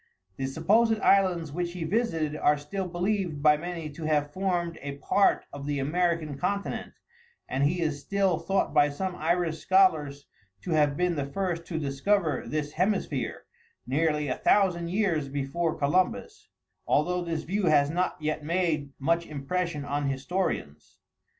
The supposed islands which he visited are still believed by many to have formed a part of the American continent, and he is still thought by some Irish scholars to have been the first to discover this hemisphere, nearly a thousand years before Columbus, although this view has not yet made much impression on historians.